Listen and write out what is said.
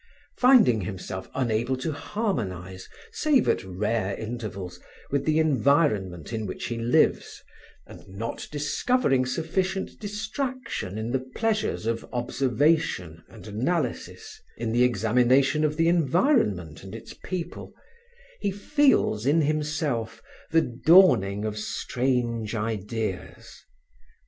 Finding himself unable to harmonize, save at rare intervals, with the environment in which he lives and not discovering sufficient distraction in the pleasures of observation and analysis, in the examination of the environment and its people, he feels in himself the dawning of strange ideas.